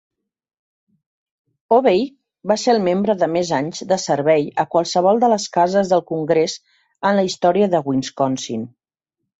Obey va ser el membre de més anys de servei a qualsevol de les cases del Congrés en la història de Wisconsin.